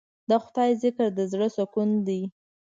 د خدای ذکر د زړه سکون دی.